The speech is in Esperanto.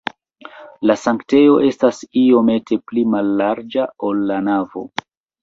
La sanktejo estas iomete pli mallarĝa, ol la navo.